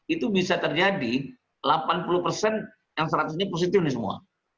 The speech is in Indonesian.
itu bisa terjadi delapan puluh persen yang seratusnya positif nih semua